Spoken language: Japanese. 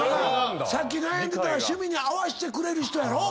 さっき悩んでた趣味に合わせてくれる人やろ？